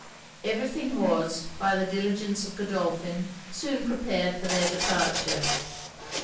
Every thing was, by the diligence of Godolphin, soon prepared for their departure.